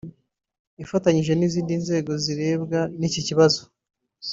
ifatanyije n’izindi nzego zirebwa n’iki kibazo